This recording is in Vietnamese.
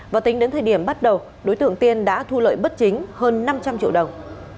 và tính đến thời điểm bắt đầu đối tượng tiên đã thu lợi bất chính hơn năm trăm linh triệu đồng